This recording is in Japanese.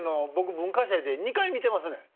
文化祭で２回見てますねん。